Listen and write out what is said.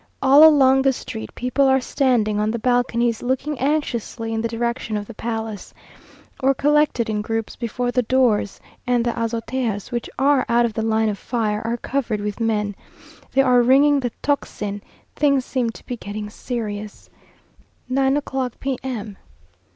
All along the street people are standing on the balconies, looking anxiously in the direction of the palace, or collected in groups before the doors, and the azoteas, which are out of the line of fire, are covered with men. They are ringing the tocsin things seem to be getting serious. Nine o'clock, P.M.